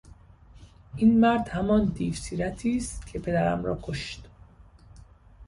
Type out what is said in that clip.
این مرد همان دیو سیرتی است که پدرم را کشت!